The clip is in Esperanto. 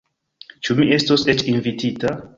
Ĉu mi estos eĉ invitita?